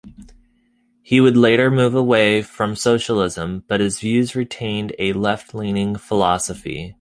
He would later move away from socialism, but his views retained a left-leaning philosophy.